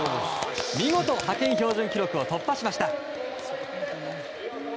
見事、派遣標準記録を突破しました。